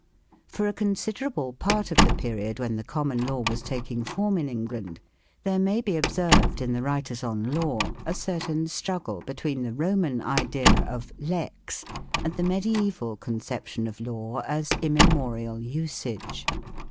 For a considerable part of the period when the common law was taking form in England there may be observed in the writers on law a certain struggle between the Roman idea of "lex" and the mediaeval conception of law as immemorial usage.